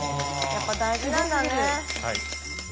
やっぱ大事なんだね。